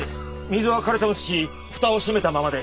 水はかれてますし蓋を閉めたままで。